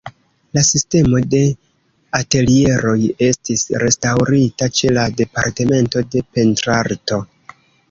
La sistemo de atelieroj estis restaŭrita ĉe la Departemento de Pentrarto.